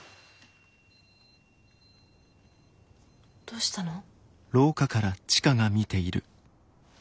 どうしたの？